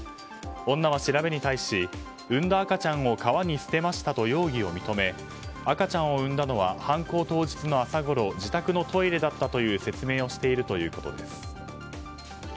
女は調べに対し産んだ赤ちゃんを川に捨てましたと容疑を認め赤ちゃんを産んだのは犯行当日の朝ごろ自宅のトイレだったという説明をしているということです。